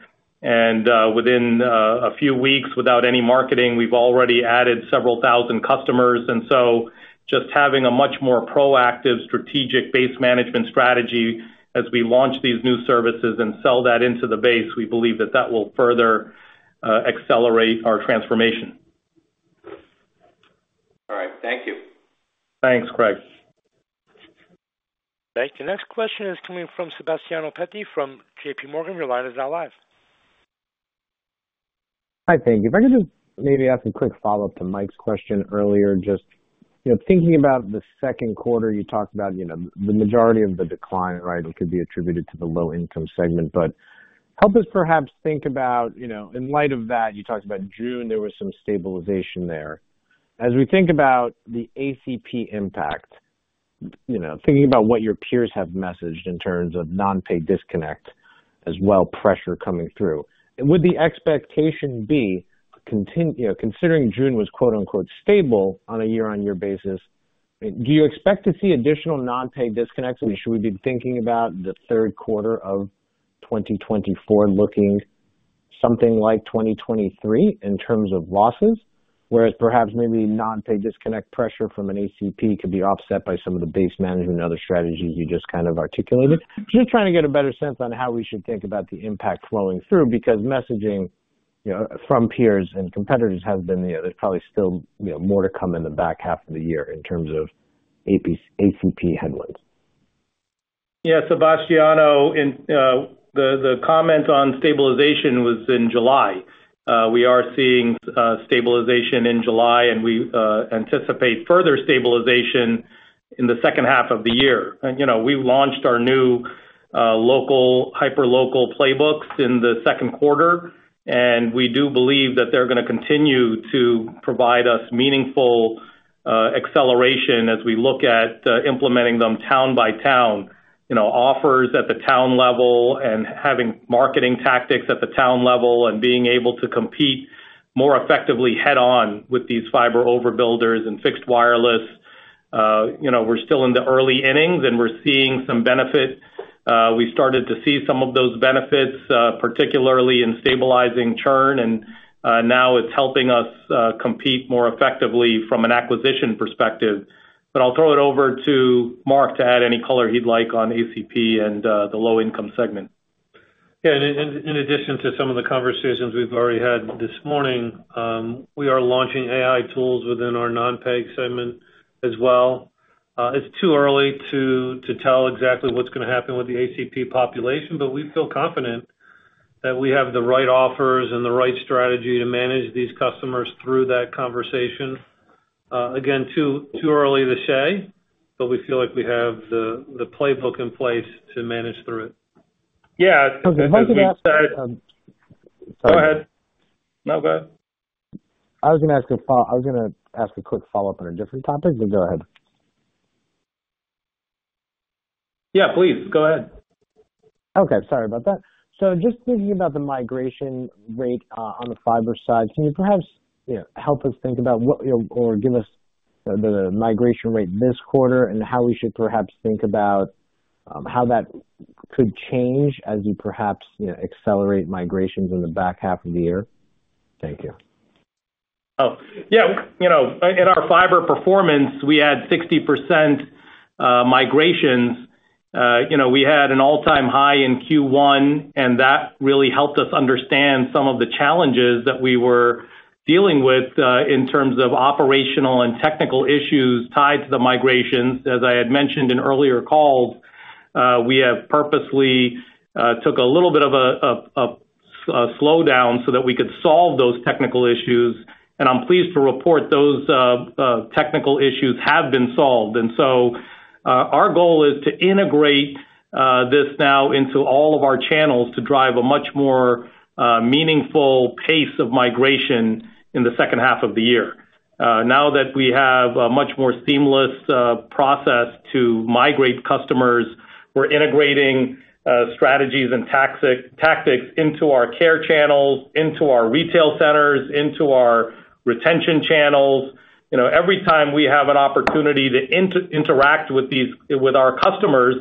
Within a few weeks, without any marketing, we've already added several thousand customers. So just having a much more proactive strategic base management strategy as we launch these new services and sell that into the base, we believe that that will further accelerate our transformation. All right. Thank you. Thanks, Craig. Thanks. The next question is coming from Sebastiano Petti from JPMorgan. Your line is now live. Hi, thank you. If I could just maybe ask a quick follow-up to Mike's question earlier, just thinking about the second quarter, you talked about the majority of the decline, right, which could be attributed to the low-income segment. But help us perhaps think about, in light of that, you talked about June; there was some stabilization there. As we think about the ACP impact, thinking about what your peers have messaged in terms of non-pay disconnect as well, pressure coming through, would the expectation be, considering June was quote-unquote "stable" on a year-over-year basis, do you expect to see additional non-pay disconnects, and should we be thinking about the third quarter of 2024 looking something like 2023 in terms of losses, whereas perhaps maybe non-pay disconnect pressure from an ACP could be offset by some of the base management and other strategies you just kind of articulated? Just trying to get a better sense on how we should think about the impact flowing through because messaging from peers and competitors has been the—there's probably still more to come in the back half of the year in terms of ACP headwinds. Yeah. Sebastiano, the comment on stabilization was in July. We are seeing stabilization in July, and we anticipate further stabilization in the second half of the year. We launched our new local hyper-local playbooks in the second quarter, and we do believe that they're going to continue to provide us meaningful acceleration as we look at implementing them town by town, offers at the town level, and having marketing tactics at the town level, and being able to compete more effectively head-on with these fiber overbuilders and fixed wireless. We're still in the early innings, and we're seeing some benefit. We started to see some of those benefits, particularly in stabilizing churn. And now it's helping us compete more effectively from an acquisition perspective. But I'll throw it over to Marc to add any color he'd like on ACP and the low-income segment. Yeah. In addition to some of the conversations we've already had this morning, we are launching AI tools within our non-pay segment as well. It's too early to tell exactly what's going to happen with the ACP population, but we feel confident that we have the right offers and the right strategy to manage these customers through that conversation. Again, too early to say, but we feel like we have the playbook in place to manage through it. Yeah. I was going to ask. Sorry. Go ahead. No, go ahead. I was going to ask a quick follow-up on a different topic, but go ahead. Yeah, please. Go ahead. Okay. Sorry about that. So just thinking about the migration rate on the fiber side, can you perhaps help us think about or give us the migration rate this quarter and how we should perhaps think about how that could change as you perhaps accelerate migrations in the back half of the year? Thank you. Oh. Yeah. In our fiber performance, we had 60% migrations. We had an all-time high in Q1, and that really helped us understand some of the challenges that we were dealing with in terms of operational and technical issues tied to the migrations. As I had mentioned in earlier calls, we have purposely took a little bit of a slowdown so that we could solve those technical issues. And I'm pleased to report those technical issues have been solved. And so our goal is to integrate this now into all of our channels to drive a much more meaningful pace of migration in the second half of the year. Now that we have a much more seamless process to migrate customers, we're integrating strategies and tactics into our care channels, into our retail centers, into our retention channels. Every time we have an opportunity to interact with our customers,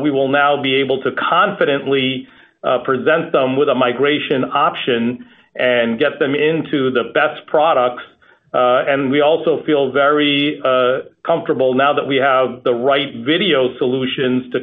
we will now be able to confidently present them with a migration option and get them into the best products. And we also feel very comfortable now that we have the right video solutions to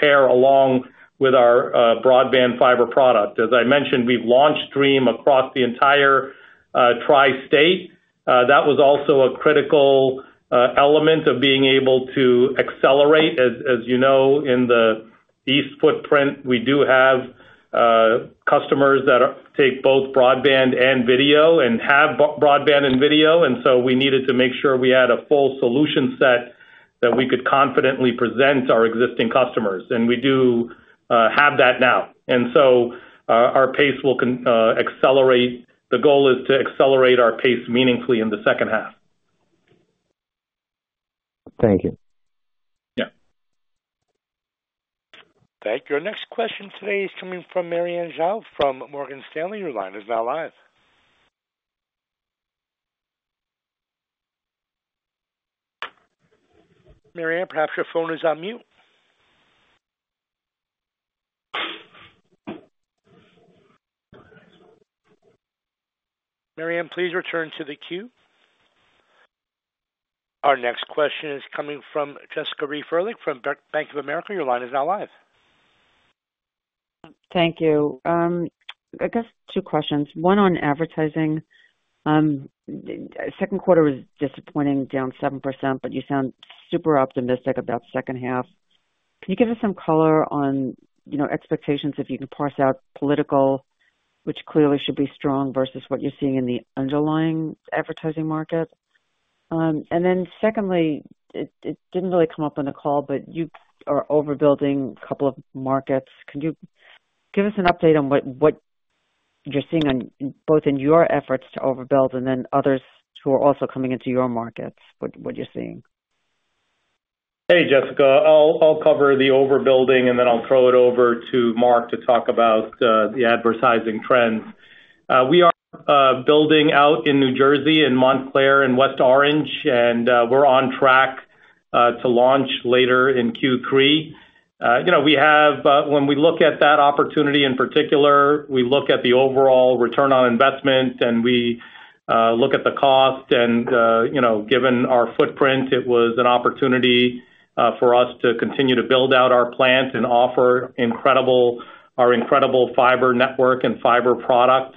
pair along with our broadband fiber product. As I mentioned, we've launched Stream across the entire Tri-State. That was also a critical element of being able to accelerate. As you know, in the East footprint, we do have customers that take both broadband and video and have broadband and video. And so we needed to make sure we had a full solution set that we could confidently present our existing customers. And we do have that now. And so our pace will accelerate. The goal is to accelerate our pace meaningfully in the second half. Thank you. Yeah. Thank you. Our next question today is coming from Mary Ann Zhao from Morgan Stanley. Your line is now live. Mary Ann, perhaps your phone is on mute. Mary Ann, please return to the queue. Our next question is coming from Jessica Reif Ehrlich from Bank of America. Your line is now live. Thank you. I guess two questions. One on advertising. Second quarter was disappointing, down 7%, but you sound super optimistic about the second half. Can you give us some color on expectations if you can parse out political, which clearly should be strong versus what you're seeing in the underlying advertising market? And then secondly, it didn't really come up on the call, but you are overbuilding a couple of markets. Can you give us an update on what you're seeing both in your efforts to overbuild and then others who are also coming into your markets, what you're seeing? Hey, Jessica. I'll cover the overbuilding, and then I'll throw it over to Marc to talk about the advertising trends. We are building out in New Jersey and Montclair and West Orange, and we're on track to launch later in Q3. When we look at that opportunity in particular, we look at the overall return on investment, and we look at the cost. Given our footprint, it was an opportunity for us to continue to build out our plant and offer our incredible fiber network and fiber product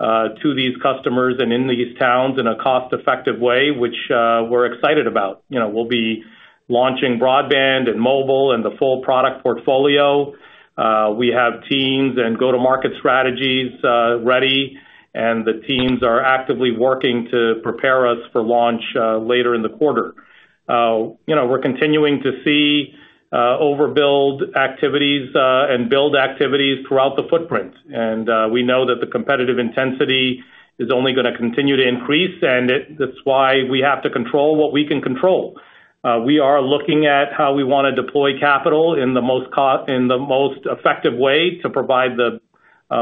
to these customers and in these towns in a cost-effective way, which we're excited about. We'll be launching broadband and mobile and the full product portfolio. We have teams and go-to-market strategies ready, and the teams are actively working to prepare us for launch later in the quarter. We're continuing to see overbuild activities and build activities throughout the footprint. We know that the competitive intensity is only going to continue to increase, and that's why we have to control what we can control. We are looking at how we want to deploy capital in the most effective way to provide the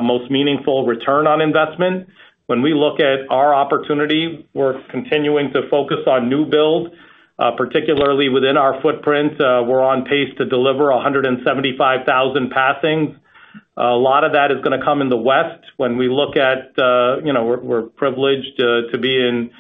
most meaningful return on investment. When we look at our opportunity, we're continuing to focus on new builds, particularly within our footprint. We're on pace to deliver 175,000 passings. A lot of that is going to come in the West. When we look at, we're privileged to be in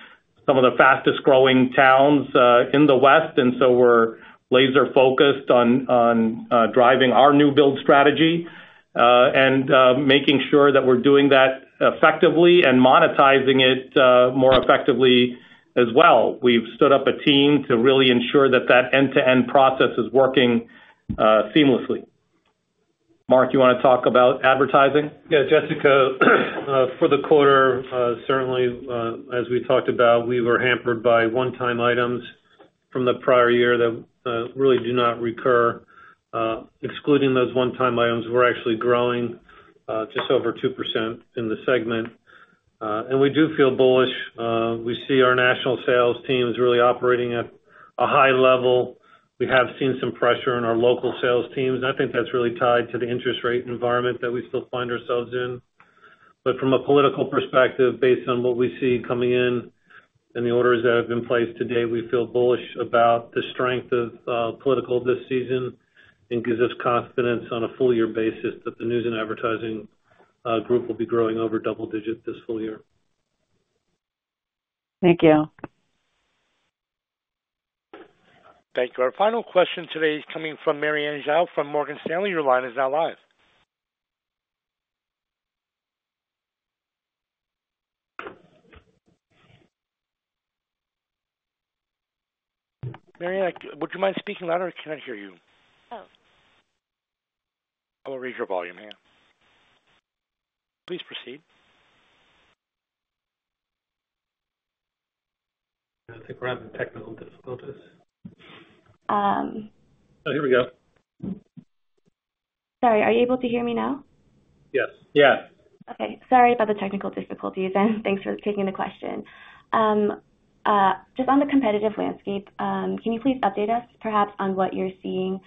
some of the fastest-growing towns in the West, and so we're laser-focused on driving our new build strategy and making sure that we're doing that effectively and monetizing it more effectively as well. We've stood up a team to really ensure that that end-to-end process is working seamlessly. Marc, you want to talk about advertising? Yeah. Jessica, for the quarter, certainly, as we talked about, we were hampered by one-time items from the prior year that really do not recur. Excluding those one-time items, we're actually growing just over 2% in the segment. We do feel bullish. We see our national sales teams really operating at a high level. We have seen some pressure in our local sales teams. I think that's really tied to the interest rate environment that we still find ourselves in. But from a political perspective, based on what we see coming in and the orders that have been placed today, we feel bullish about the strength of political this season and gives us confidence on a full-year basis that the News and Advertising group will be growing over double digits this full year. Thank you. Thank you. Our final question today is coming from Mary Ann Zhao from Morgan Stanley. Your line is now live. Mary Ann, would you mind speaking louder, or can I hear you? Oh. I will raise your volume. Yeah. Please proceed. I think we're having technical difficulties. Oh, here we go. Sorry. Are you able to hear me now? Yes. Yeah. Okay. Sorry about the technical difficulties. Thanks for taking the question. Just on the competitive landscape, can you please update us perhaps on what you're seeing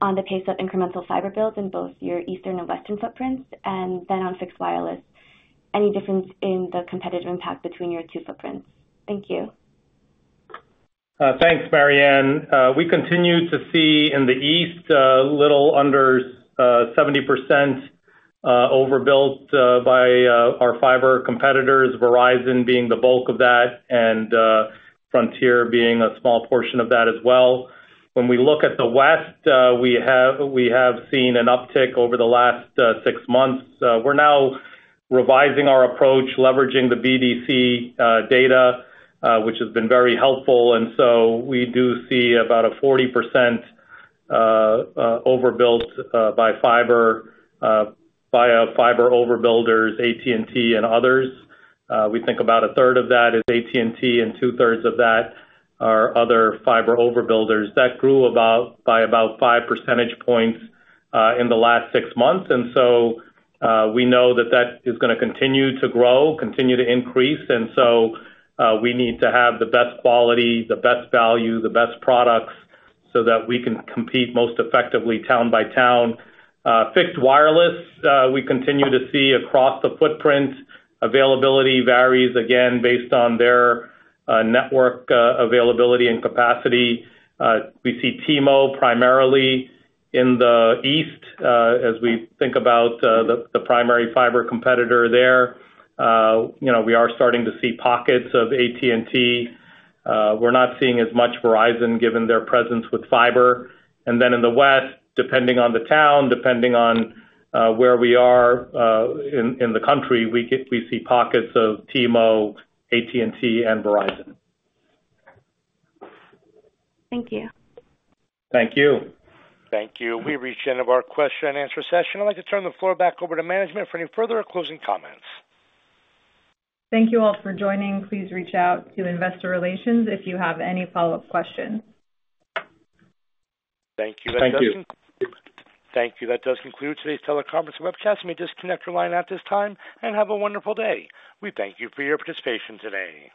on the pace of incremental fiber builds in both your eastern and western footprints and then on fixed wireless? Any difference in the competitive impact between your two footprints? Thank you. Thanks, Mary Ann. We continue to see in the East a little under 70% overbuilt by our fiber competitors, Verizon being the bulk of that, and Frontier being a small portion of that as well. When we look at the West, we have seen an uptick over the last six months. We're now revising our approach, leveraging the BDC data, which has been very helpful. So we do see about a 40% overbuilt by fiber overbuilders, AT&T, and others. We think about a third of that is AT&T, and two-thirds of that are other fiber overbuilders. That grew by about 5 percentage points in the last 6 months. And so we know that that is going to continue to grow, continue to increase. And so we need to have the best quality, the best value, the best products so that we can compete most effectively town by town. Fixed wireless, we continue to see across the footprint. Availability varies, again, based on their network availability and capacity. We see T-Mo primarily in the East as we think about the primary fiber competitor there. We are starting to see pockets of AT&T. We're not seeing as much Verizon given their presence with fiber. And then in the West, depending on the town, depending on where we are in the country, we see pockets of T-Mo, AT&T, and Verizon. Thank you. Thank you. Thank you. We reached the end of our question-and-answer session. I'd like to turn the floor back over to management for any further closing comments. Thank you all for joining. Please reach out to investor relations if you have any follow-up questions. Thank you. Thank you. Thank you. That does conclude today's teleconference and webcast. We may disconnect your line at this time, and have a wonderful day. We thank you for your participation today.